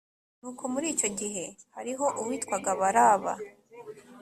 Nuko muri icyo gihe hariho uwitwaga baraba